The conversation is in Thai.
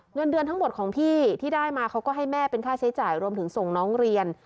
เงินเดือนทั้งหมดของพี่ที่ได้มาเขาก็ให้แม่เป็นค่าใช้จ่ายรวมถึงส่งน้องเรียน